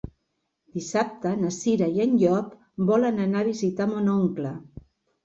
Dissabte na Cira i en Llop volen anar a visitar mon oncle.